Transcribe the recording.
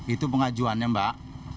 itu pengajuannya mbak